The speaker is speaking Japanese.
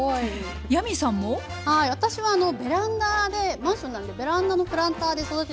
私はあのベランダでマンションなのでベランダのプランターで育ててるんですけど。